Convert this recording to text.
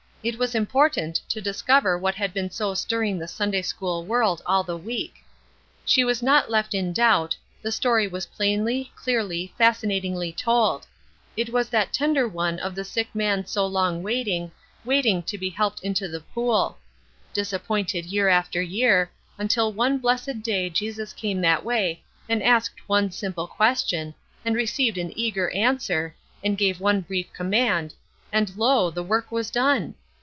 It was important to discover what had been so stirring the Sunday school world all the week. She was not left in doubt; the story was plainly, clearly, fascinatingly told; it was that tender one of the sick man so long waiting, waiting to be helped into the pool; disappointed year after year, until one blessed day Jesus came that way and asked one simple question, and received an eager answer, and gave one brief command, and, lo! the work was done!